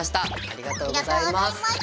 ありがとうございます。